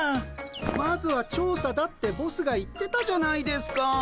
まずは調査だってボスが言ってたじゃないですか。